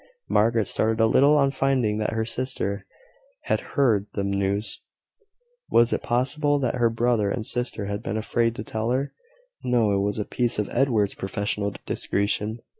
Margaret started a little on finding that her sister had heard the news. Was it possible that her brother and sister had been afraid to tell her? No: it was a piece of Edward's professional discretion.